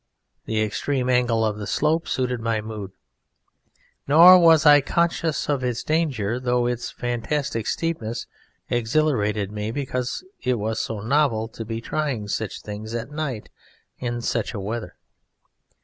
The extreme angle of the slope suited my mood, nor was I conscious of its danger, though its fantastic steepness exhilarated me because it was so novel to be trying such things at night in such a weather.